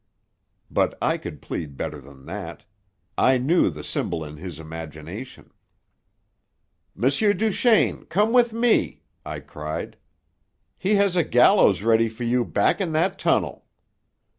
But I could plead better than that. I knew the symbol in his imagination. "M. Duchaine! Come with me!" I cried. "He has a gallows ready for you back in that tunnel!"